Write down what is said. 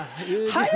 はい。